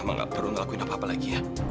emang gak perlu ngelakuin apa apa lagi ya